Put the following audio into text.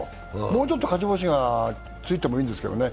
もうちょっと勝ち星がついてもいいんですけどね。